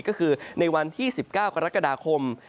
ก็คือในวันที่๑๙กรกฎาคม